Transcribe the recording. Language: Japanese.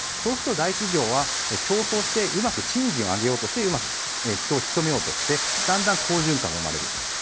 そうすると大企業は競争してうまく賃金を上げようとしてうまく人を引き止めようとしてだんだん好循環が生まれる。